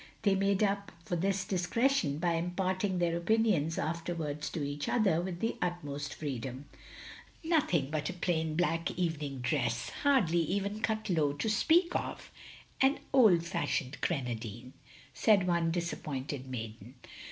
They made up for this discretion by imparting their opinions afterwards to each other, with the utmost freedom. '* Nothing but a plain black evening dress, hardly even cut low to speak of — ^an old fashioned grenadine!" said one disappointed maiden.